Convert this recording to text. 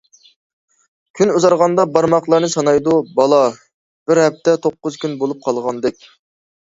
كۈن ئۇزارغاندا، بارماقلارنى سانايدۇ بالا، بىر ھەپتە توققۇز كۈن بولۇپ قالغاندەك.